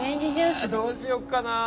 あどうしよっかな。